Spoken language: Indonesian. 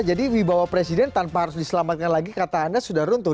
jadi wibawa presiden tanpa harus diselamatkan lagi kata anda sudah runtuh